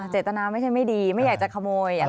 เจตนาไม่ใช่ไม่ดีไม่อยากจะขโมย